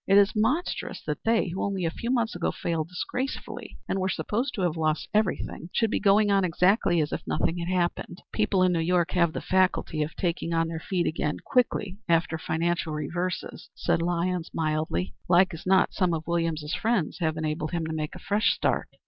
It is monstrous that they, who only a few months ago failed disgracefully and were supposed to have lost everything, should be going on exactly as if nothing had happened." "People in New York have the faculty of getting on their feet again quickly after financial reverses," said Lyons, mildly. "Like as not some of Williams's friends have enabled him to make a fresh start."